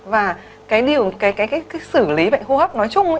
và cái điều cái xử lý bệnh hô hấp nói chung